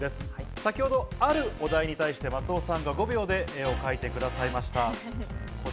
先ほど、あるお題に対して松尾さんが５秒で絵を描いてくださいました。